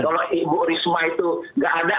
kalau ibu risma itu nggak ada